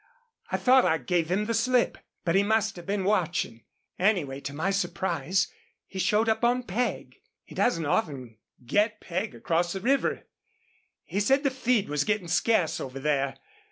I thought I gave him the slip. But he must have been watching. Anyway, to my surprise he showed up on Peg. He doesn't often get Peg across the river. He said the feed was getting scarce over there.